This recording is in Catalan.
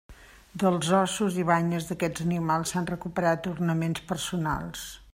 Dels ossos i banyes d'aquests animals s'han recuperat ornaments personals.